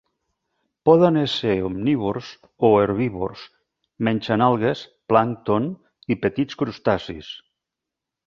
Poden ésser omnívors o herbívors: mengen algues, plàncton i petits crustacis.